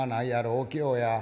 お清や。